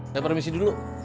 saya permisi dulu